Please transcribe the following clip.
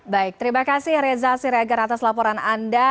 baik terima kasih reza sir eger atas laporan anda